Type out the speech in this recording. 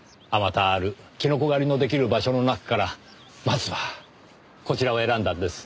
数多あるキノコ狩りの出来る場所の中からまずはこちらを選んだんです。